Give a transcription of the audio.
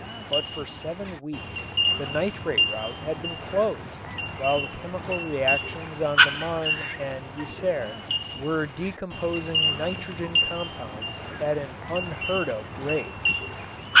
But for seven weeks the nitrate route had been closed while the chemical reactions on the Marne and Yser were decomposing nitrogen compounds at an unheard of rate.